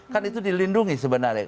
kan itu dilindungi sebenarnya